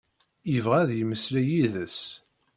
Yebɣa ad yemmeslay yid-s.